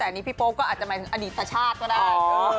อันนี้พี่ปุ๊บก็อาจจะหมายถึงอดีตสักชาติก็ได้